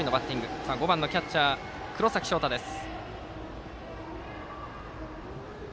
バッターは５番のキャッチャー黒崎翔太です。